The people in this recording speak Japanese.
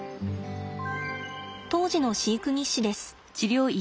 当時の飼育日誌です。